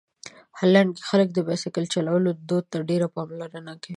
هالنډ کې خلک د بایسکل چلولو دود ډېره پاملرنه کوي.